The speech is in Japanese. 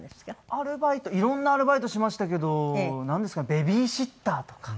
アルバイト色んなアルバイトしましたけどなんですかねベビーシッターとか。